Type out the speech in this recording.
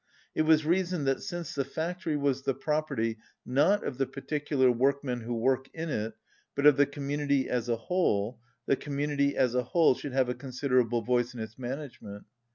It was reasoned that since the factory was the property, not of the par ticular workmen who work in it, but of the com munity as a whole, the community as a whole should have a considerable voice in its manage ment.